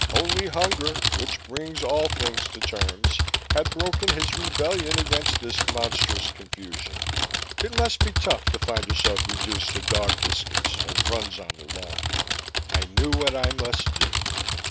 Only hunger, which brings all things to terms, had broken his rebellion against this monstrous confusion. It must be tough to find yourself reduced to dog biscuits and runs on the lawn. I knew what I must do.